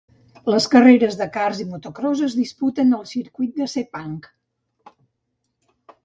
Les carreres de karts i motocròs es disputen al Circuit de Sepang.